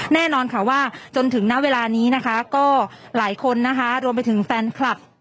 แน่นอนค่ะว่าจนถึงณเวลานี้นะคะก็หลายคนนะคะรวมไปถึงแฟนคลับ